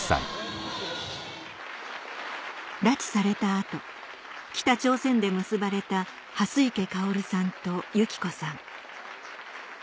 拉致された後北朝鮮で結ばれた蓮池薫さんと祐木子さん